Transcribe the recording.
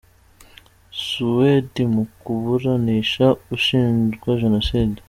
Suwedi mu kuburanisha ushinjwa Jenoside